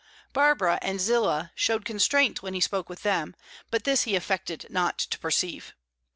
Barbara and Zillah showed constraint when he spoke with them, but this he affected not to perceive.